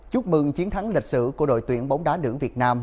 chúc mừng chiến thắng lịch sử của đội tuyển bóng đá nữ việt nam